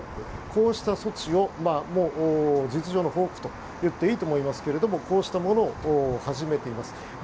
こうした措置を実情の報復といっていいと思いますがこうしたものを始めています。